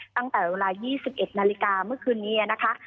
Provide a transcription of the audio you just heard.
ตั้งแต่เวลา๒๑นาฬิกาเมื่อคืนนี้นะคะ